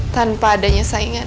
tanpa adanya saingan